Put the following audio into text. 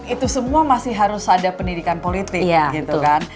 itu semua masih harus ada pendidikan politik gitu kan